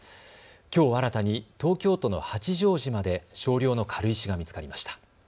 きょう新たに東京都の八丈島で少量の軽石が見つかりました。